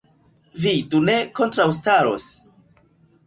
Vi do ne kontraŭstaros?